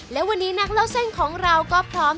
และวันนี้นักเล่าเส้นของเราก็พร้อม